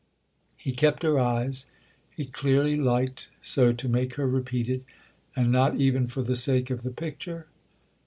He kept her eyes—he clearly liked so to make her repeat it. "And not even for the sake of the picture—?"